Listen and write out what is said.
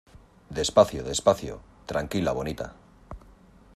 despacio. despacio . tranquila, bonita .